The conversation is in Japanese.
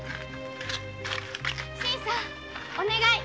新さんお願い。